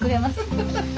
ハハハハ！